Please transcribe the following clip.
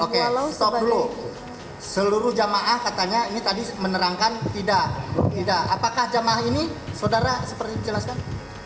oke stop dulu seluruh jemaah katanya ini tadi menerangkan tidak apakah jemaah ini saudara seperti menjelaskan